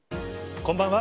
こんばんは。